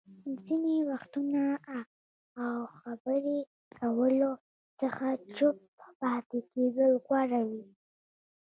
ځينې وختونه اه خبرو کولو څخه چوپ پاتې کېدل غوره وي.